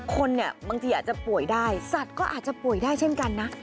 คนเนี่ยบางทีอาจจะป่วยได้สัตว์ก็อาจจะป่วยได้เช่นกันนะ